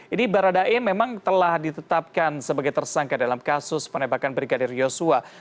ini baradae memang telah ditetapkan sebagai tersangka dalam kasus penembakan brigadir yosua